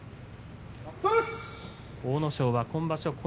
阿武咲は今場所